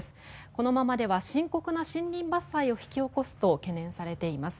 このままでは深刻な森林伐採を引き起こすと懸念されています。